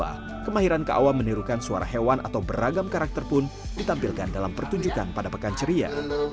tak lupa kemahiran kak awam menirukan suara hewan atau beragam karakter pun ditampilkan dalam pertunjukan pada pekan ceria